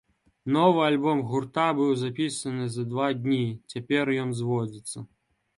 Новы альбом гурта быў запісаны за два дні, цяпер ён зводзіцца.